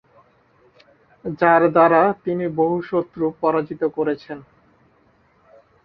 যার দ্বারা তিনি বহু শত্রু পরাজিত করেছেন।